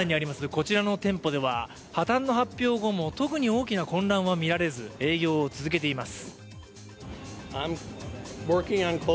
こちらの店舗では、破綻の発表後も特に大きな混乱は見られず営業を続けています。